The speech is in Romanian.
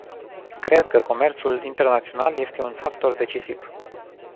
Cred că comerțul internațional este un factor decisiv.